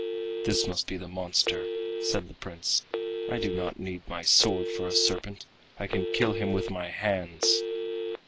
"This must be the monster," said the Prince; "I do not need my sword for a serpent. I can kill him with my hands."